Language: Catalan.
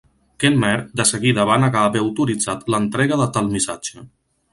Kenmare de seguida va negar haver autoritzat l'entrega de tal missatge.